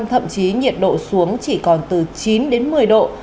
thậm chí nhiệt độ xuống chỉ còn từ chín đến một mươi độ